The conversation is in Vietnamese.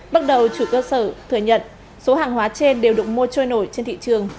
bước đầu chủ cơ sở thừa nhận số hàng hóa trên đều đụng mua trôi nổi trên thị trường